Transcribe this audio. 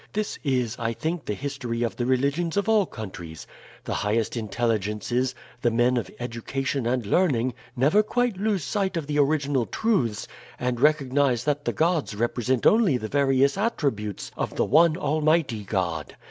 This is, I think, the history of the religions of all countries. The highest intelligences, the men of education and learning, never quite lose sight of the original truths, and recognize that the gods represent only the various attributes of the one Almighty God.